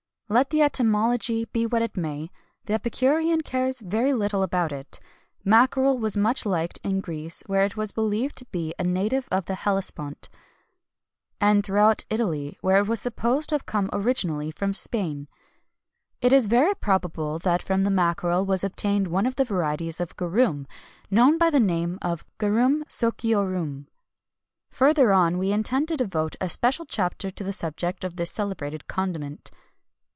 [XXI 186] Let the etymology be what it may, the epicurean cares very little about it. Mackerel was much liked in Greece, where it was believed to be a native of the Hellespont;[XXI 187] and throughout Italy, where it was supposed to come originally from Spain.[XXI 188] It is very probable that from mackerel was obtained one of the varieties of garum, known by the name of garum sociorum. Further on, we intend to devote a special chapter to the subject of this celebrated condiment.